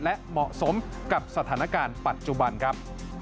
และเหมาะสมกับสถานการณ์ปัจจุบันครับ